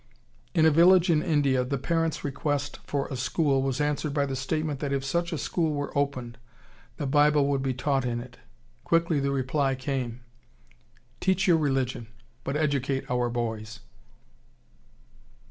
In a village in India the parents' request for a school was answered by the statement that if such a school were opened, the Bible would be taught in it. Quickly the reply came, "Teach your religion, but educate our boys."